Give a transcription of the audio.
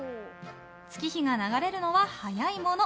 月日が流れるのは早いもの。